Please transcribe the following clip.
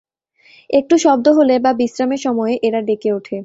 একটু শব্দ হলে বা বিশ্রামের সময়ে এরা ডেকে ওঠে।